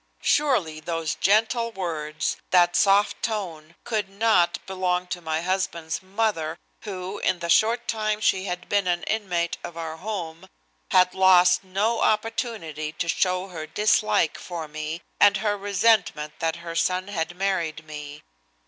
Surely those gentle words, that soft tone, could not belong to my husband's mother, who, in the short time she had been an inmate of our home, had lost no opportunity to show her dislike for me, and her resentment that her son had married me.